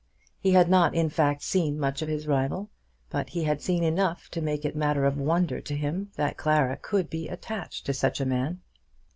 He had not, in fact, seen much of his rival, but he had seen enough to make it matter of wonder to him that Clara could be attached to such a man.